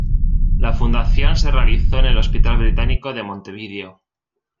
La fundación se realizó en el Hospital Británico de Montevideo.